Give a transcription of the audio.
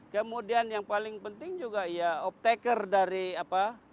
kemudian yang paling penting juga ya opteker dari apa